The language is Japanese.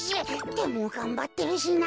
でもがんばってるしな。